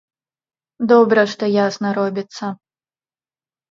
Добра, што ясна робіцца.